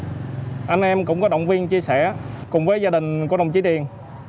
khi mẹ mất anh em cũng có động viên chia sẻ cùng với gia đình của đồng chí điền